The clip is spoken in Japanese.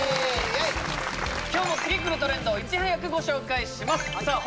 今日も次くるトレンドをいち早くご紹介しますさあ